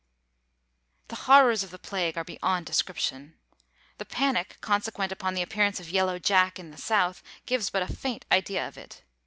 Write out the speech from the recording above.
The horrors of the plague are beyond description. The panic consequent upon the appearance of Yellow Jack in the South gives but a faint idea of it.